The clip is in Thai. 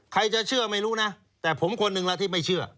ใครจะเชื่อไม่รู้นะแต่ผมคนหนึ่งละที่ไม่เชื่อ